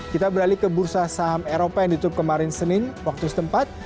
kita beralih ke bursa saham eropa yang ditutup kemarin senin waktu setempat